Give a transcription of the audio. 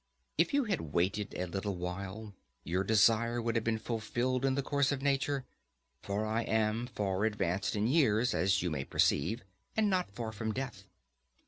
If you had waited a little while, your desire would have been fulfilled in the course of nature. For I am far advanced in years, as you may perceive, and not far from death.